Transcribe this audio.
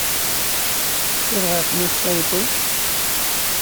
Tecfiḍ ɣef Mass Saito?